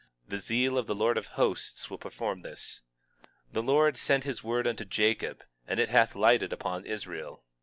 The zeal of the Lord of Hosts will perform this. 19:8 The Lord sent his word unto Jacob and it hath lighted upon Israel.